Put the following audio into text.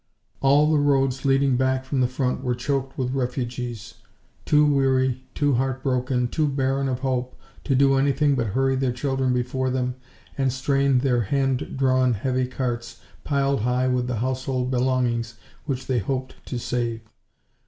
All the roads leading back from the front were choked with refugees too weary, too heartbroken, too barren of hope to do anything but hurry their children before them and strain at their hand drawn, heavy carts piled high with the household belongings which they hoped to save.